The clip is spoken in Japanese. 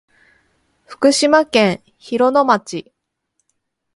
福島県広野町